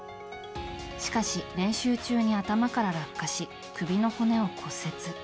しかし、練習中に頭から落下し首の骨を骨折。